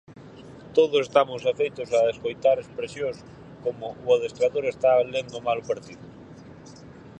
Todos estamos afeitos a escoitar expresións como o adestrador está lendo mal o partido.